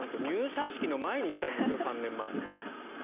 入社式の前に来たんですよ３年前。